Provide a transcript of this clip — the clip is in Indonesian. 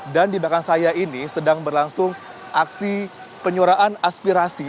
dan di bahkan saya ini sedang berlangsung aksi penyoraan aspirasi